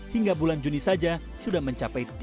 hingga bulan juni saja sudah mencapai lima juta unit